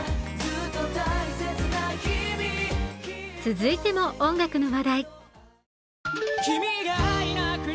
続いても、音楽の話題。